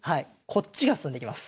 こっちが進んできます。